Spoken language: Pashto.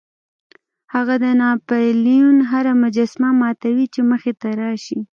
هغه د ناپلیون هره مجسمه ماتوي چې مخې ته راشي.